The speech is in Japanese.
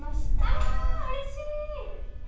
あー、うれしい！